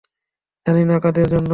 জানিনা কাদের জন্য।